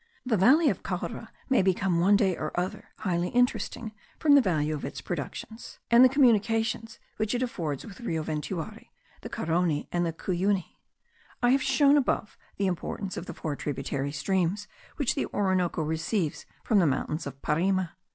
The valley of Caura may become one day or other highly interesting from the value of its productions, and the communications which it affords with the Rio Ventuari, the Carony, and the Cuyuni. I have shown above the importance of the four tributary streams which the Orinoco receives from the mountains of Parima.